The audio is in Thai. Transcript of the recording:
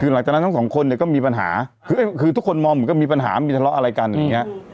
คือหลังจากนั้นทั้งสองคนเนี่ยก็มีปัญหาคือทุกคนมองเหมือนก็มีปัญหามีทะเลาะอะไรกันอย่างนี้